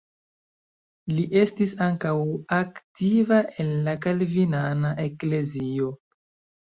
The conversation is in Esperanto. Li estis ankaŭ aktiva en la kalvinana eklezio.